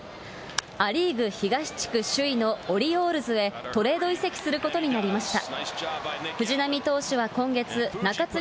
ア・リーグ東地区首位のオリオールズへトレード移籍することになりました。